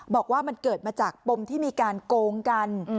บอกว่ามันเกิดมาจากปมที่มีการโกงกัน